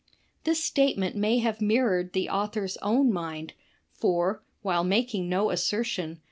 This statement may have mirrored the author's own mind, for, while making no assertion.